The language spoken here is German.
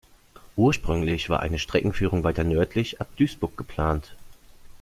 Ursprünglich war eine Streckenführung weiter nördlich, ab Duisburg geplant.